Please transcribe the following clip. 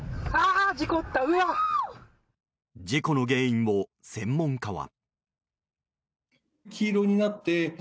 事故の原因を専門家は。